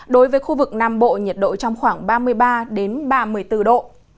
đối với khu vực nam bộ nhiệt độ trong khoảng ba mươi ba ba mươi bốn độ